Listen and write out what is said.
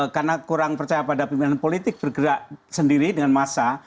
karena kurang percaya pada pemimpinan politik bergerak sendiri dengan massa